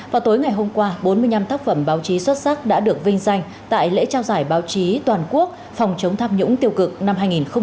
vào tối ngày hôm qua bốn mươi năm tác phẩm báo chí xuất sắc đã được vinh danh tại lễ trao giải báo chí toàn quốc phòng chống tham nhũng tiêu cực năm hai nghìn hai mươi hai nghìn hai mươi một